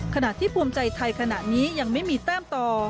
ขณะที่ภูมิใจไทยขณะนี้ยังไม่มีแต้มต่อ